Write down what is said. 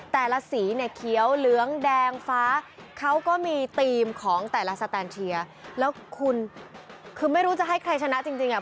แต่ละสีเนี่ยเขียวเหลืองแดงฟ้าเขาก็มีธีมของแต่ละสแตนเชียร์แล้วคุณคือไม่รู้จะให้ใครชนะจริงจริงอ่ะ